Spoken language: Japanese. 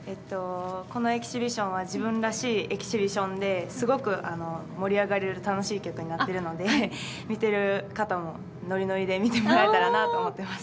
このエキシビションは自分らしいエキシビションですごく盛り上がれる楽しい曲になってるので見ている方もノリノリで見てもらえたらなと思っています。